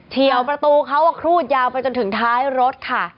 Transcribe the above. เฉียวประตูเขาก็ครูดยาวไปจนถึงท้ายรถค่ะ